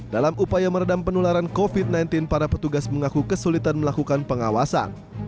dalam upaya meredam penularan covid sembilan belas para petugas mengaku kesulitan melakukan pengawasan